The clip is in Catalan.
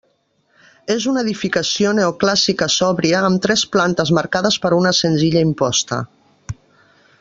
És una edificació neoclàssica sòbria, amb tres plantes marcades per una senzilla imposta.